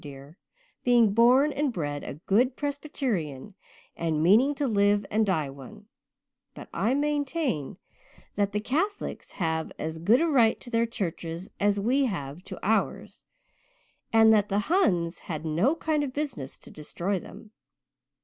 dear, being born and bred a good Presbyterian and meaning to live and die one, but I maintain that the Catholics have as good a right to their churches as we have to ours and that the Huns had no kind of business to destroy them.